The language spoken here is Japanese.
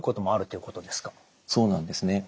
そうなんですね。